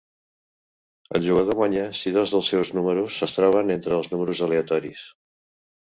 El jugador guanya si dos dels seus números es troben entre els números aleatoris.